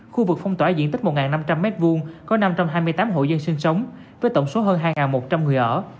khu vực phong tỏa diện tích một năm trăm linh m hai có năm trăm hai mươi tám hộ dân sinh sống với tổng số hơn hai một trăm linh người ở